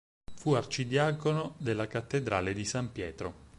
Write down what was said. Fu arcidiacono della Cattedrale di San Pietro.